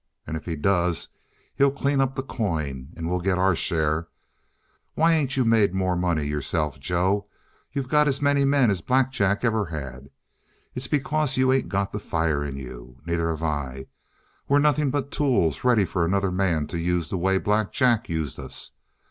And if he does, he'll clean up the coin and we'll get our share. Why ain't you made more money yourself, Joe? You got as many men as Black Jack ever had. It's because you ain't got the fire in you. Neither have I. We're nothing but tools ready for another man to use the way Black Jack used us.